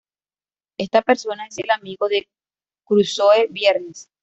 Esta persona es el amigo de Crusoe, Viernes.